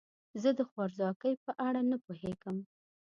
زه د خوارځواکۍ په اړه نه پوهیږم.